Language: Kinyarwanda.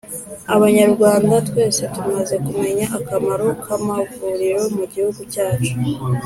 abanyarwanda twese tumaze kumenya akamaro k’amavuriro mu gihugu cyacu.